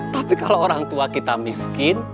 tapi kalau orang tua kita miskin tak mengapa